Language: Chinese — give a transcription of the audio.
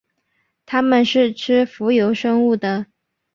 它们是吃浮游生物的。